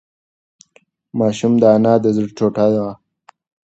ماشوم د انا د زړه ټوټه وه.